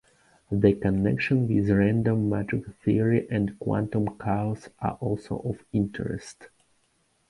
The connections with random matrix theory and quantum chaos are also of interest.